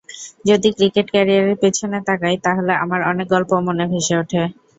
যদি ক্রিকেট ক্যারিয়ারের পেছনে তাকাই তাহলে আমার অনেক গল্প মনে ভেসে ওঠে।